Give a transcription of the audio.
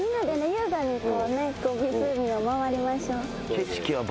優雅に湖を回りましょう。